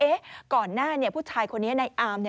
ก่อนหน้าผู้ชายคนนี้ในอาม